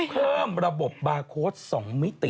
เพิ่มระบบบาร์โค้ด๒มิติ